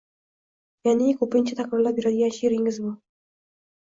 Ya’ni ko‘pincha takrorlab yuradigan she’ringiz bu.